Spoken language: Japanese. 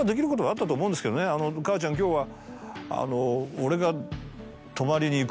「母ちゃん今日は」。